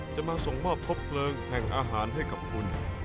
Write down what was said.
จะมาส่งมอบพบเพลิงแห่งอาหารให้กับคุณ